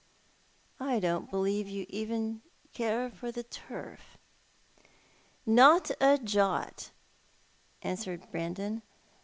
" I don't believe you care even for the turf." "Not a jot," answered Brandon.